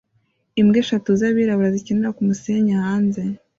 Imbwa eshatu zabirabura zikinira kumusenyi hanze